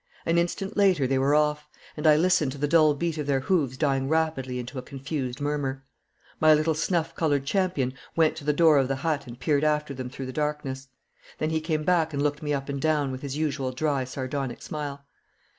An instant later they were off, and I listened to the dull beat of their hoofs dying rapidly into a confused murmur. My little snuff coloured champion went to the door of the hut and peered after them through the darkness. Then he came back and looked me up and down, with his usual dry sardonic smile.